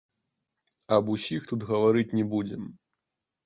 Аб усіх тут гаварыць не будзем.